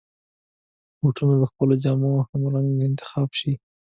بوټونه د خپلو جامو همرنګ انتخاب شي.